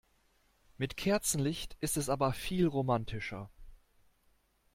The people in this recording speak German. Mit Kerzenlicht ist es aber viel romantischer.